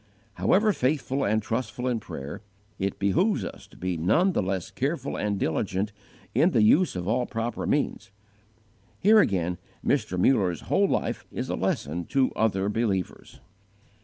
However faithful and trustful in prayer, it behooves us to be none the less careful and diligent in the use of all proper means. Here again Mr. Muller's whole life is a lesson to other believers.